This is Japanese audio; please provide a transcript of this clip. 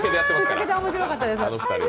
めちゃくちゃ面白かったです。